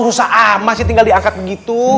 rusak amasih tinggal diangkat begitu